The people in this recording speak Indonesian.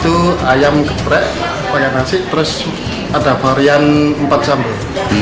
itu ayam geprek pakai nasi terus ada varian empat sambal